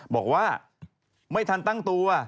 บอกว่าไม่ทันตั้งตัว